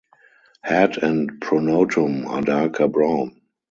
Head and pronotum are darker brown.